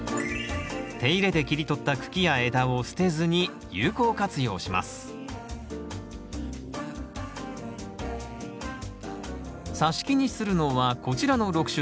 手入れで切り取った茎や枝を捨てずに有効活用しますさし木にするのはこちらの６種類。